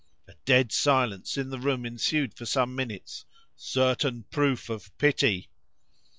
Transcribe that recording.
—A dead silence in the room ensued for some minutes.—Certain proof of pity!